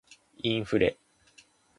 インフレ